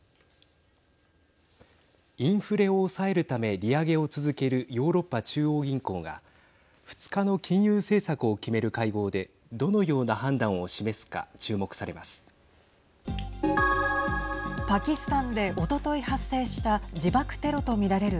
インフレを抑えるため利上げを続けるヨーロッパ中央銀行が２日の金融政策を決める会合でどのような判断を示すか注目されます。